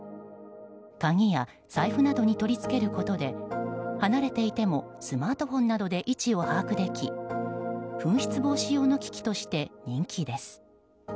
鍵や財布などに取り付けることで離れていてもスマートフォンなどで位置を把握でき紛失防止用の機器として人気です。